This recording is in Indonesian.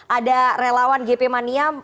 ada relawan gp maniam